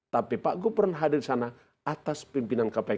tapi pak gubernur hadir di sana atas pimpinan kpk